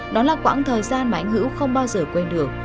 đó là quãng thời gian mà anh hữu không bao giờ quên được